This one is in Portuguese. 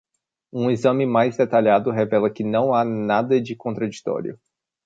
Um exame mais detalhado revela que não há nada de contraditório.